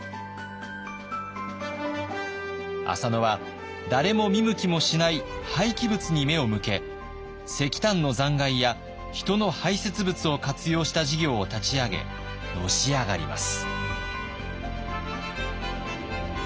浅野は誰も見向きもしない廃棄物に目を向け石炭の残骸や人の排せつ物を活用した事業を立ち上げのし上がります。